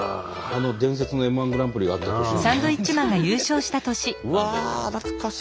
あの伝説のＭ−１グランプリがあった年ですね。